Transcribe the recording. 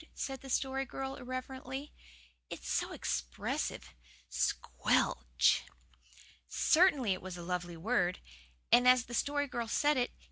said the Story Girl irrelevantly. "It's so expressive. Squ u e l ch!" Certainly it was a lovely word, as the Story Girl said it.